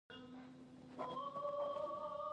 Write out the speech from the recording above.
تورپيکۍ.